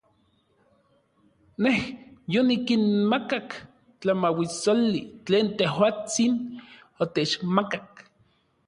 Nej yonikinmakak tlamauissoli tlen tejuatsin otechmakak.